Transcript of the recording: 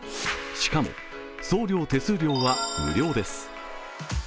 しかも送料・手数料は無料です。